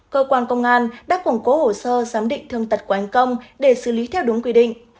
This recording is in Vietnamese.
cơ quan công an đã củng cố hồ sơ giám định thương tật của anh công để xử lý theo đúng quy định